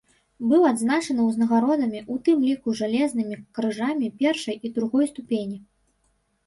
Быў адзначаны ўзнагародамі, у тым ліку жалезнымі крыжамі першай і другой ступені.